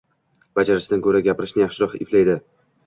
Bajarishdan ko’ra gapirishni yaxshiroq eplaydi.